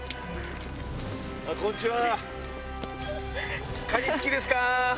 こんにちは！